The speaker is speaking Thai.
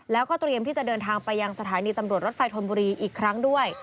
แล้วก็เตรียมที่จะเดินทางไปยังสถานีตำรวจรถไฟธนบุรีอีกครั้งด้วย